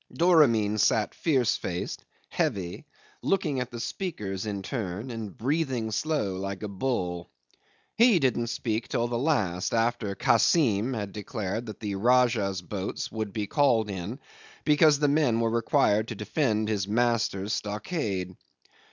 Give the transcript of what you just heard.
Doramin sat fierce faced, heavy, looking at the speakers in turn, and breathing slow like a bull. He didn't speak till the last, after Kassim had declared that the Rajah's boats would be called in because the men were required to defend his master's stockade.